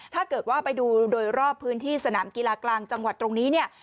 ถ้าเกิดว่าไปดูโดยรอบพื้นที่สนามกีฬากลางจังหวัดตรงนี้เนี่ย